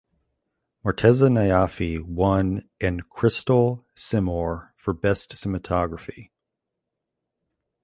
Morteza Najafi won an Crystal Simorgh for Best Cinematography.